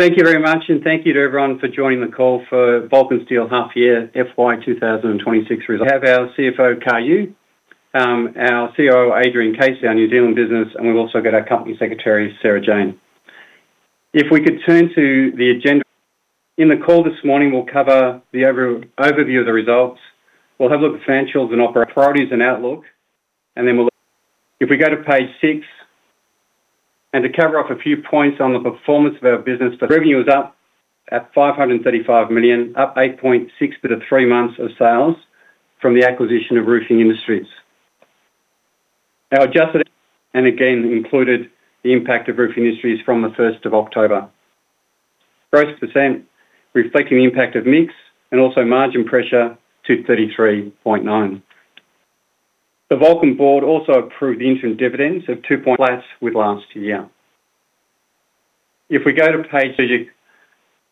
Thank you very much, and thank you to everyone for joining the call for Vulcan Steel Half Year FY26 Result. We have our CFO, Kar Yue, our COO, Adrian Casey, our New Zealand business, and we've also got our Company Secretary, Sarah Jane. If we could turn to the agenda. In the call this morning, we'll cover the overview of the results. We'll have a look at financials and priorities and outlook. If we go to page six, to cover off a few points on the performance of our business. The revenue is up at 535 million, up 8.6% for the three months of sales from the acquisition of Roofing Industries. Our adjusted, included the impact of Roofing Industries from the 1st of October. Growth %, reflecting the impact of mix and also margin pressure to 33.9. The Vulcan Board also approved the interim dividends of 2.0 flats with last year. If we go to page-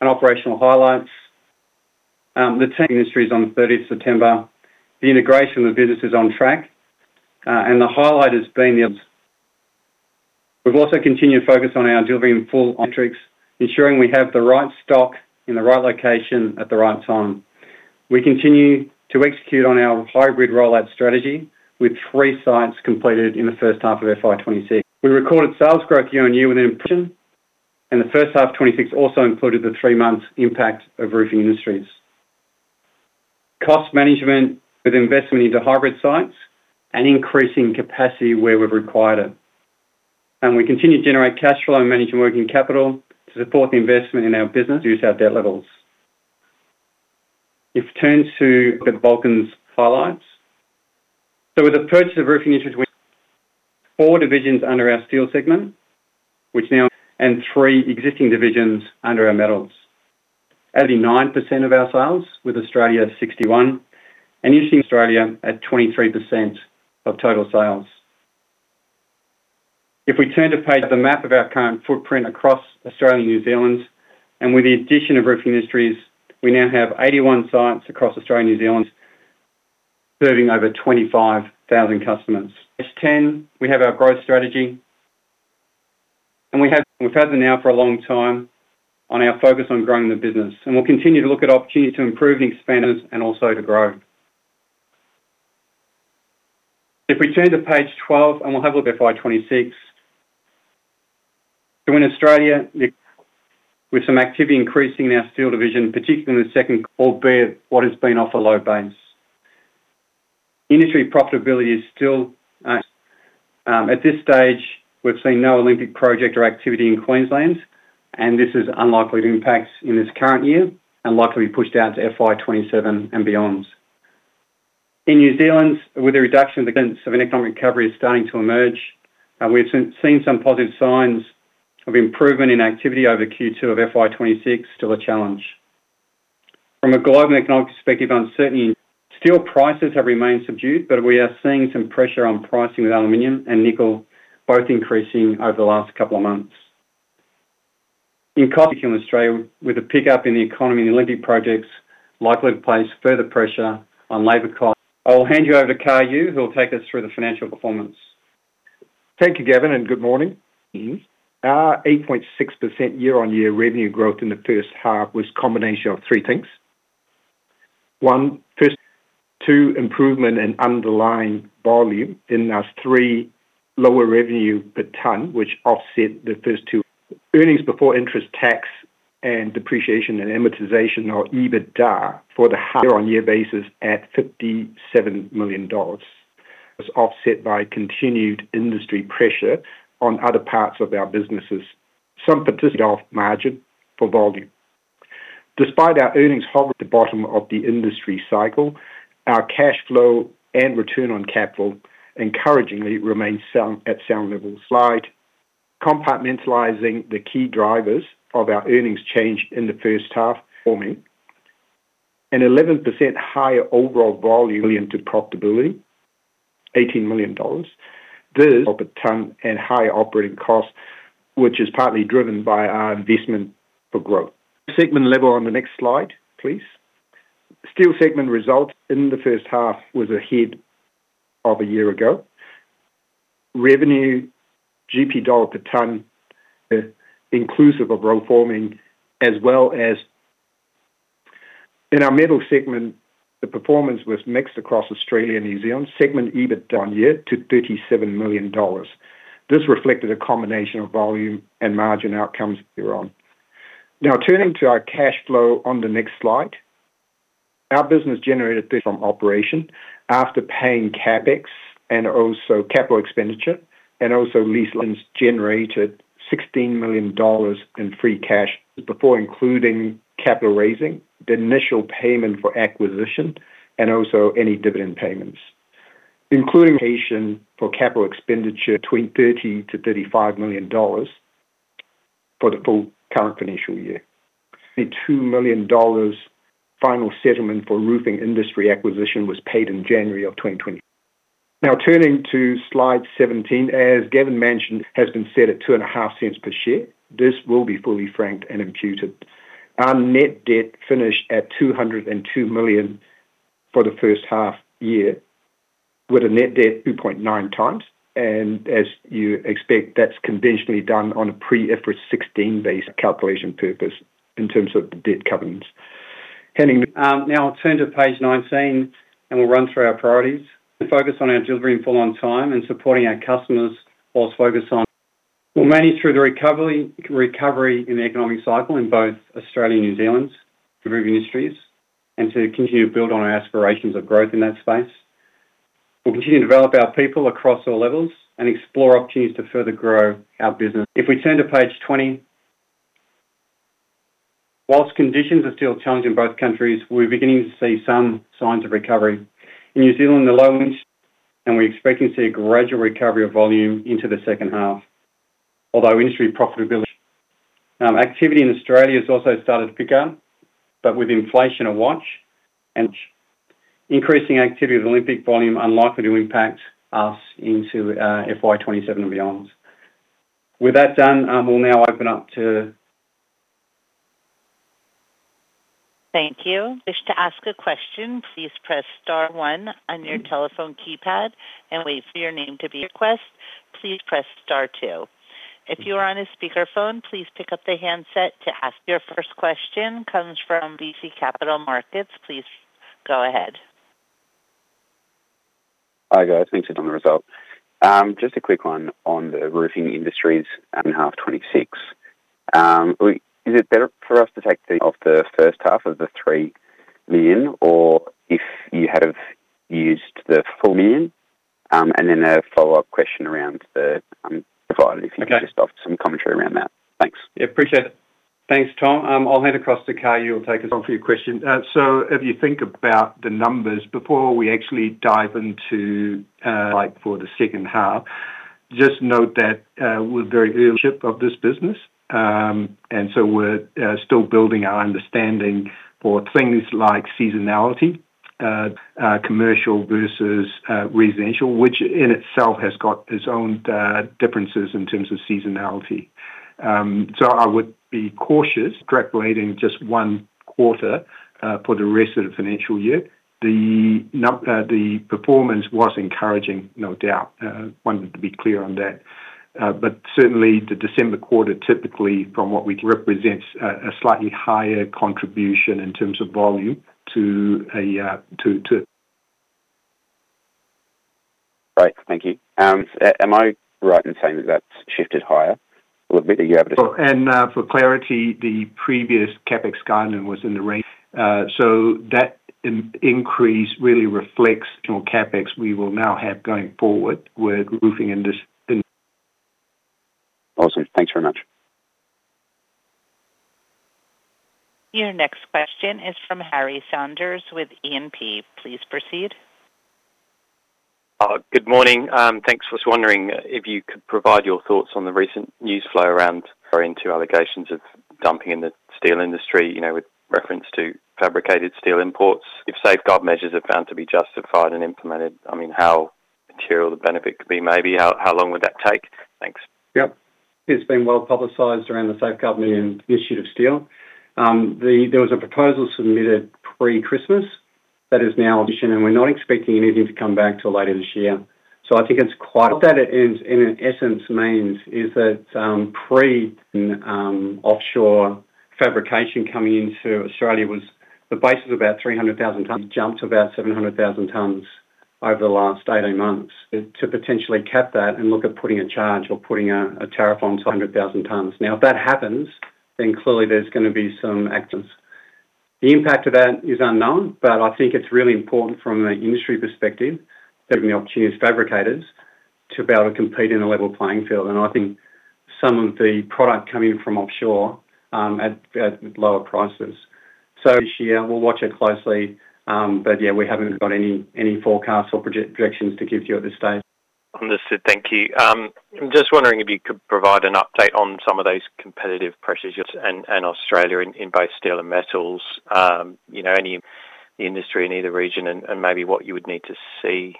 and operational highlights, the team Roofing Industries on the 30th September, the integration of the business is on track, and the highlight has been the. We've also continued to focus on our delivering full metrics, ensuring we have the right stock in the right location at the right time. We continue to execute on our hybrid rollout strategy, with three sites completed in the first half of FY26. We recorded sales growth year-on-year with an impression. The first half of 2026 also included the three months impact of Roofing Industries. Cost management with investment into hybrid sites and increasing capacity where we've required it. We continue to generate cash flow and manage working capital to support the investment in our business, reduce our debt levels. If we turn to the Vulcan's highlights. With the purchase of Roofing Industries, we four divisions under our steel segment, which now three existing divisions under our metals. 89% of our sales, with Australia 61%, and New Zealand at 23% of total sales. The map of our current footprint across Australia and New Zealand, and with the addition of Roofing Industries, we now have 81 sites across Australia and New Zealand, serving over 25,000 customers. Page 10, we have our growth strategy. We have, we've had them now for a long time on our focus on growing the business, and we'll continue to look at opportunities to improve and expand and also to grow. If we turn to page 12, and we'll have a look at FY26. In Australia, with some activity increasing in our steel division, particularly in the second, albeit what has been off a low base. Industry profitability is still at this stage, we've seen no Olympic project or activity in Queensland, and this is unlikely to impact in this current year and likely to be pushed out to FY27 and beyond. In New Zealand, with the reduction, the sense of an economic recovery is starting to emerge, and we've seen, seen some positive signs of improvement in activity over Q2 of FY26, still a challenge. From a global economic perspective, uncertainty- steel prices have remained subdued, but we are seeing some pressure on pricing with aluminum and nickel, both increasing over the last couple of months. In Australia, with a pickup in the economy, the Olympic projects likely to place further pressure on labor cost. I'll hand you over to Kar Yue, who will take us through the financial performance. Thank you, Gavin. Good morning. Our 8.6% year-on-year revenue growth in the first half was a combination of three things. One, first, two, improvement in underlying volume. There's three, lower revenue per ton, which offset the first two. Earnings before interest tax and depreciation and amortization or EBITDA for the half-year-on-year basis at 57 million dollars, was offset by continued industry pressure on other parts of our businesses. Some participant off margin for volume. Despite our earnings holding the bottom of the industry cycle, our cash flow and return on capital encouragingly remains sound, at sound levels. Slide, compartmentalizing the key drivers of our earnings change in the first half for me. 11% higher overall volume to profitability, 18 million dollars. This of a ton and higher operating cost, which is partly driven by our investment for growth. Segment level on the next slide, please. Steel segment result in the first half was ahead of a year ago. Revenue, GP dollar per ton, inclusive of roll forming, as well as. In our metal segment, the performance was mixed across Australia and New Zealand. Segment EBITDA on year to 37 million dollars. This reflected a combination of volume and margin outcomes year on. Turning to our cash flow on the next slide. Our business generated this from operation after paying CapEx and also capital expenditure, and also lease lines generated 16 million dollars in free cash before including capital raising, the initial payment for acquisition, and also any dividend payments. Including patient for capital expenditure between 30 million-35 million dollars for the full current financial year. The 2 million dollars final settlement for Roofing Industries acquisition was paid in January 2020. Now, turning to slide 17, as Gavin mentioned, has been set at 0.025 per share. This will be fully franked and imputed. Our net debt finished at 202 million for the first half year. With a net debt 2.9 times, as you expect, that's conventionally done on a pre-IFRS 16 base calculation purpose in terms of the debt covenants. Heading, now turn to page 19, we'll run through our priorities. We focus on our delivery and full on time and supporting our customers whilst focused on. We'll manage through the recovery, recovery in the economic cycle in both Australia and New Zealand, Roofing Industries, to continue to build on our aspirations of growth in that space. We'll continue to develop our people across all levels and explore opportunities to further grow our business. If we turn to page 20, whilst conditions are still challenging in both countries, we're beginning to see some signs of recovery. In New Zealand, the low, we expect to see a gradual recovery of volume into the second half, although industry profitability. Activity in Australia has also started to pick up, but with inflation a watch and increasing activity of Olympic volume unlikely to impact us into FY27 and beyond. With that done, we'll now open up to. Thank you. Wish to ask a question, please press star one on your telephone keypad and wait for your name to be. Request, please press star two. If you are on a speakerphone, please pick up the handset to ask. Your first question comes from RBC Capital Markets. Please go ahead. Hi, guys. Thanks for doing the result. Just a quick one on the Roofing Industries and half 26. Is it better for us to take the off the first half of the 3 million, or if you have used the 1 million? A follow-up question around the- Okay. if you can just off some commentary around that. Thanks. Yeah, appreciate it. Thanks, Tom. I'll hand across to Kar Yue will take us on for your question. If you think about the numbers before we actually dive into like for the second half, just note that we're very early of this business, and so we're still building our understanding for things like seasonality, commercial versus residential, which in itself has got its own differences in terms of seasonality. I would be cautious extrapolating just one quarter for the rest of the financial year. The performance was encouraging, no doubt, wanted to be clear on that. Certainly the December quarter, typically from what we think, represents a slightly higher contribution in terms of volume to a- Great. Thank you. Am I right in saying that that's shifted higher a little bit? Are you able to- For clarity, the previous CapEx guidance was in the range. So that increase really reflects CapEx we will now have going forward with Roofing Industries. Awesome. Thanks very much. Your next question is from Harry Saunders with E&P. Please proceed. Good morning. Thanks. Just wondering if you could provide your thoughts on the recent news flow around relating to allegations of dumping in the steel industry, you know, with reference to fabricated steel imports. If safeguard measures are found to be justified and implemented, I mean, how material the benefit could be, maybe how, how long would that take? Thanks. Yep. It's been well publicized around the safeguard measure initiative steel. There was a proposal submitted pre-Christmas that is now, we're not expecting anything to come back till later this year. What that in, in essence means is that, pre, offshore fabrication coming into Australia was the base of about 300,000 tons, jumped to about 700,000 tons over the last 18 months. To potentially cap that and look at putting a charge or putting a tariff on 200,000 tons. If that happens, clearly there's going to be some actions. The impact of that is unknown, I think it's really important from an industry perspective, giving the opportunities to fabricators to be able to compete in a level playing field. I think some of the product coming from offshore at, at lower prices. This year, we'll watch it closely, but yeah, we haven't got any forecasts or projections to give you at this stage. Understood. Thank you. I'm just wondering if you could provide an update on some of those competitive pressures and, and Australia in, in both steel and metals, you know, any, the industry in either region and, and maybe what you would need to see,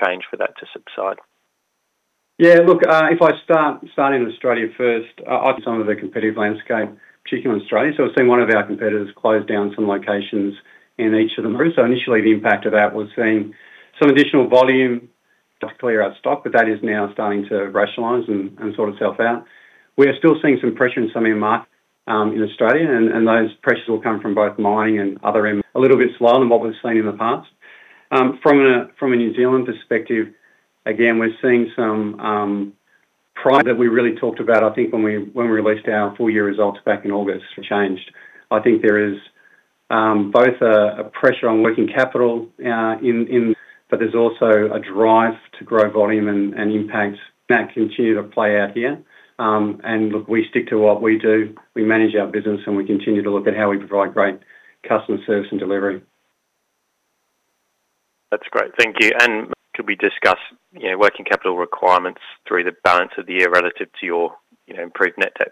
change for that to subside. Yeah, look, if I start, starting with Australia first, some of the competitive landscape, particularly in Australia. I've seen one of our competitors close down some locations in each of them. Initially, the impact of that was seeing some additional volume to clear our stock, but that is now starting to rationalize and, and sort itself out. We are still seeing some pressure in some of our market in Australia, and those pressures will come from both mining and other end. A little bit slower than what we've seen in the past. From a, from a New Zealand perspective, again, we're seeing some pride that we really talked about, I think when we, when we released our full-year results back in August, changed. I think there is, both a, a pressure on working capital, in, in, but there's also a drive to grow volume and, and impact that continue to play out here. Look, we stick to what we do, we manage our business, and we continue to look at how we provide great customer service and delivery. That's great. Thank you. Could we discuss, you know, working capital requirements through the balance of the year relative to your, you know, improved net debt?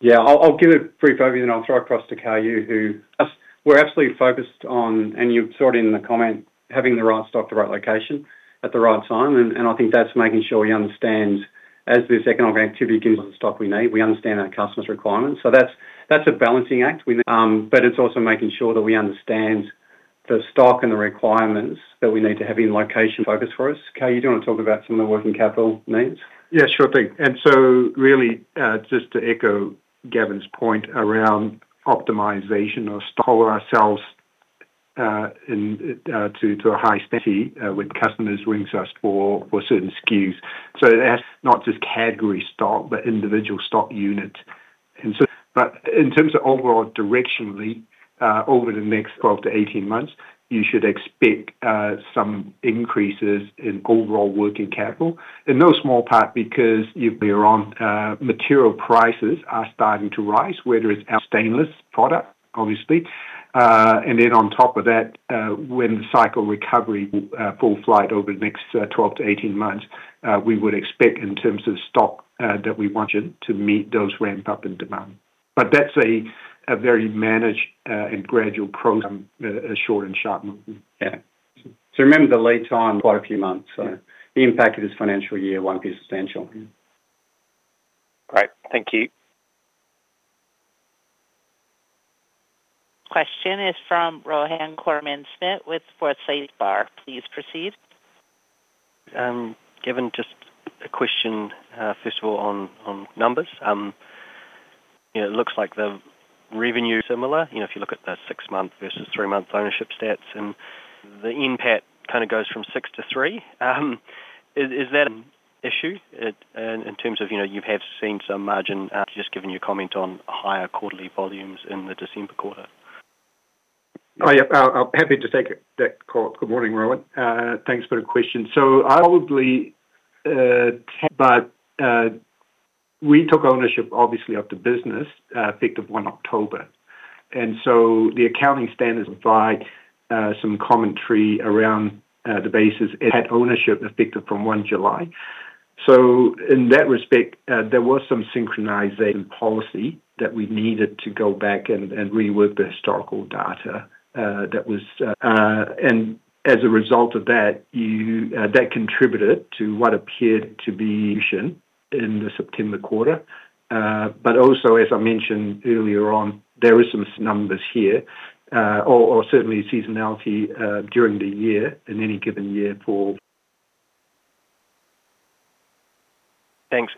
Yeah, I'll, I'll give a brief overview, and I'll throw across to Kar Yue, who. We're absolutely focused on, and you saw it in the comment, having the right stock, the right location at the right time, and I think that's making sure we understand as this economic activity gives the stock we need, we understand our customer's requirements. That's, that's a balancing act we, but it's also making sure that we understand the stock and the requirements that we need to have in location focus for Kar Yue, do you want to talk about some of the working capital needs? Yes, sure thing. Really, just to echo Gavin's point around optimization of stock ourselves, in, to, to a high steady with customers rings us for, for certain SKUs. That's not just category stock, but individual stock unit. In terms of overall directionally, over the next 12 to 18 months, you should expect some increases in overall working capital. In no small part because you've been around, material prices are starting to rise, whether it's our stainless product, obviously. On top of that, when the cycle recovery, full flight over the next 12 to 18 months, we would expect in terms of stock, that we want you to meet those ramp up in demand. That's a, a very managed, and gradual program, a short and sharp movement. Yeah. Remember, the lead time, quite a few months. Yeah. The impact of this financial year won't be substantial. Great, thank you. Question is from Rohan Koreman-Smit with Forsyth Barr. Please proceed. Gavin, just a question, first of all, on, on numbers. You know, it looks like the revenue similar, you know, if you look at the 6-month versus 3-month ownership stats. The NPAT kinda goes from six to three. Is, is that an issue it, in terms of, you know, you have seen some margin, just given your comment on higher quarterly volumes in the December quarter? I'm happy to take it, that call. Good morning, Rohan. Thanks for the question. I probably, but we took ownership, obviously, of the business, effective 1 October. The accounting standards provide some commentary around the basis at ownership effective from 1 July. In that respect, there was some synchronization policy that we needed to go back and rework the historical data that was, and as a result of that, you, that contributed to what appeared to be in the September quarter. Also, as I mentioned earlier on, there is some numbers here, or certainly seasonality during the year, in any given year for. Thanks.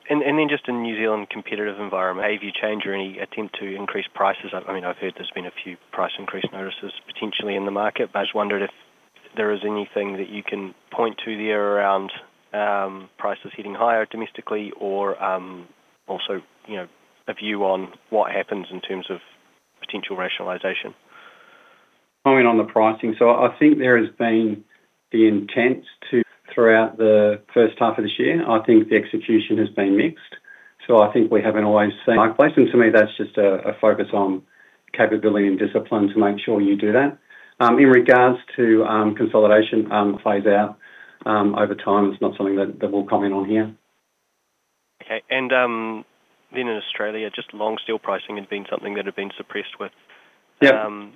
Just in New Zealand competitive environment, have you change or any attempt to increase prices? I mean, I've heard there's been a few price increase notices potentially in the market, but I just wondered if there is anything that you can point to there around prices hitting higher domestically or also, you know, a view on what happens in terms of potential rationalization. I mean, on the pricing. I think there has been the intent throughout the first half of this year, I think the execution has been mixed, so I think we haven't always seen. To me, that's just a, a focus on capability and discipline to make sure you do that. In regards to consolidation, phase out, over time, it's not something that, that we'll comment on here. Okay, then in Australia, just long steel pricing has been something that have been suppressed with- Yeah.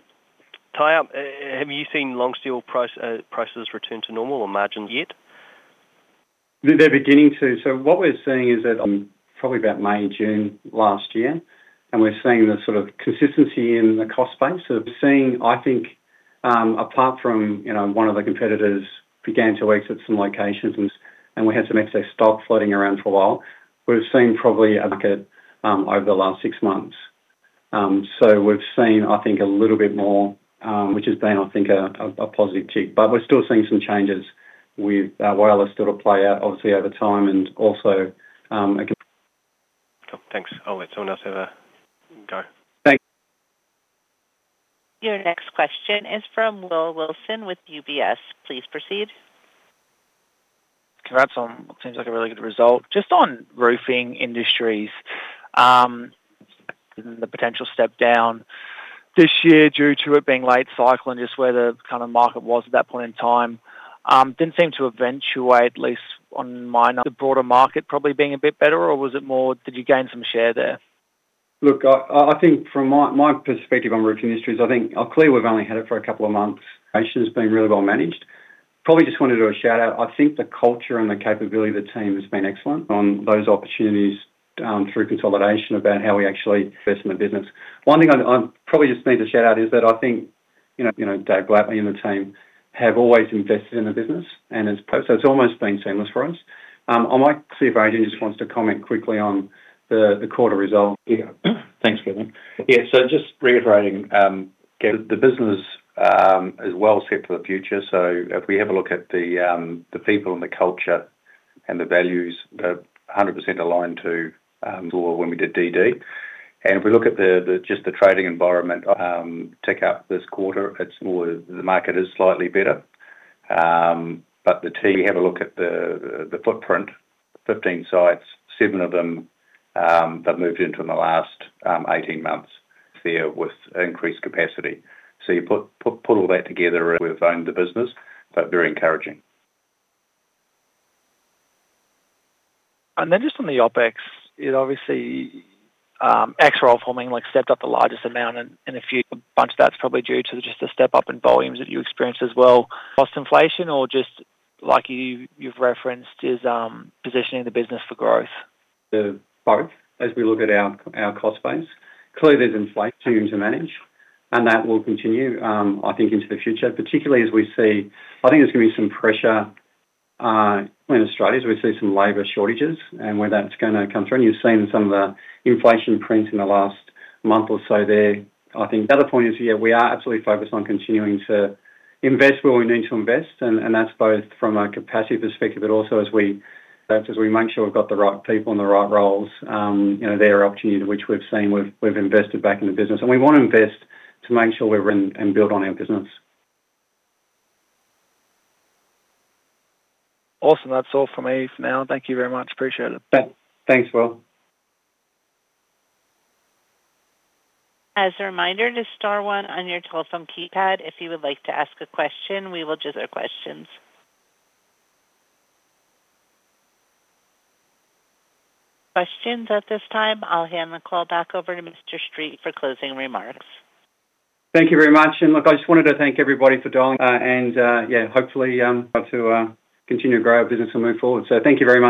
Tie up. Have you seen long steel price, prices return to normal or margin yet? They're beginning to. What we're seeing is that, probably about May, June last year, and we're seeing the sort of consistency in the cost base. We're seeing, I think, apart from, you know, one of the competitors began to exit some locations, and we had some excess stock floating around for a while. We've seen probably a market over the last six months. We've seen, I think, a little bit more, which has been, I think, a, a positive tick, but we're still seeing some changes with our wireless still to play out obviously, over time and also, again. Cool, thanks. I'll let someone else have a go. Thanks. Your next question is from Will Wilson with UBS. Please proceed. Congrats on what seems like a really good result. Just on Roofing Industries, the potential step down this year, due to it being late cycle and just where the kind of market was at that point in time, didn't seem to eventuate, at least on my end, the broader market probably being a bit better, or was it more... Did you gain some share there? Look, I, I, I think from my, my perspective on Roofing Industries, I think clearly, we've only had it for a couple of months. Actually, it's been really well managed. Probably just wanted to do a shout-out. I think the culture and the capability of the team has been excellent on those opportunities, through consolidation, about how we actually invest in the business. One thing I, I probably just need to shout out is that I think, you know, you know, Dave Blackley and the team have always invested in the business and it's, so it's almost been seamless for us. I might see if Adrian just wants to comment quickly on the, the quarter results. Thanks, Gavin. Just reiterating, Gavin, the business is well set for the future. If we have a look at the people and the culture and the values, they're 100% aligned to or when we did DD. If we look at the, the, just the trading environment, tick up this quarter, it's more the market is slightly better. The team, have a look at the, the footprint, 15 sites, seven of them have moved into in the last 18 months. There with increased capacity. You put, put, put all that together, and we've owned the business, but very encouraging. Then just on the OpEx, it obviously, axle forging, like, stepped up the largest amount and a few, a bunch of that's probably due to just the step-up in volumes that you experienced as well. Cost inflation or just like you, you've referenced, is positioning the business for growth? The both. As we look at our, our cost base, clearly, there's inflation to manage, and that will continue, I think, into the future, particularly as we see... I think there's gonna be some pressure in Australia as we see some labor shortages and where that's gonna come from. You've seen some of the inflation prints in the last month or so there. I think the other point is, yeah, we are absolutely focused on continuing to invest where we need to invest, and, and that's both from a capacity perspective, but also as we, as we make sure we've got the right people in the right roles. You know, there are opportunities which we've seen, we've, we've invested back in the business, and we want to invest to make sure we're in and build on our business. Awesome. That's all from me for now. Thank you very much. Appreciate it. Thanks. Thanks, Will. As a reminder, just star one on your telephone keypad if you would like to ask a question. Questions at this time, I'll hand the call back over to Gavin Street for closing remarks. Thank you very much. Look, I just wanted to thank everybody for dialing, yeah, hopefully, to continue to grow our business and move forward. Thank you very much.